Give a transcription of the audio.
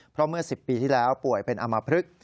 เพราะเมื่อ๑๐ปีที่แล้วป่วยเป็นอำมพลึก